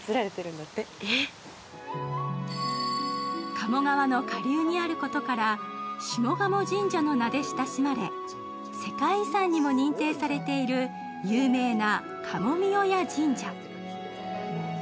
鴨川の下流にあることから、下鴨神社の名で親しまれ、世界遺産にも認定されている有名な賀茂御祖神社。